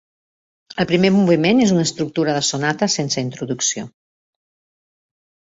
El primer moviment és una estructura de sonata sense introducció.